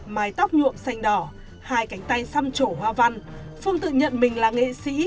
mái tóc nhuộm xanh đỏ hai cánh tay xăm trổ hoa văn phương tự nhận mình là nghệ sĩ